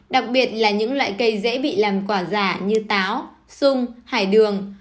đặc biệt là những loại cây dễ bị làm quả giả như táo sung hải đường